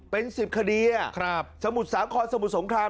เป็น๑๐คดีอ่ะครับสมุทรสามคอนสมุทรสงคราม